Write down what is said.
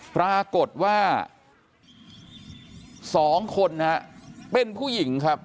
ปรากฏว่า๒คนนะฮะเป็นผู้หญิงครับ